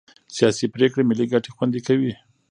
سیاسي پرېکړې ملي ګټې خوندي کوي